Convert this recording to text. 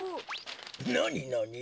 なになに？